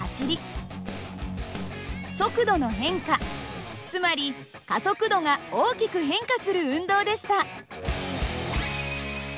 速度の変化つまり加速度が大きく変化する運動でした。